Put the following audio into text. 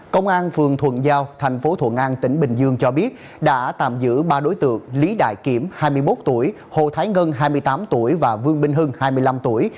công an phường thuận giao thành phố thuận an tỉnh bình dương cho biết đã tạm giữ ba đối tượng lý đại kiểm hai mươi một tuổi hồ thái ngân hai mươi tám tuổi và vương minh hưng hai mươi năm tuổi